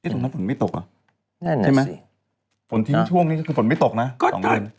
นี่สมมติฝนไม่ตกเหรอใช่ไหมฝนทิ้งช่วงนี่ก็คือฝนไม่ตกนะ๒เดือน